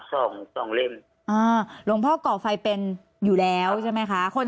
สองสองเล่มอ่าหลวงพ่อก่อไฟเป็นอยู่แล้วใช่ไหมคะคน